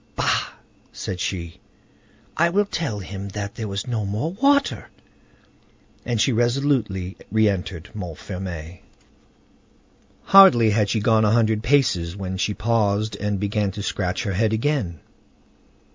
"Bah!" said she; "I will tell him that there was no more water!" And she resolutely re entered Montfermeil. Hardly had she gone a hundred paces when she paused and began to scratch her head again.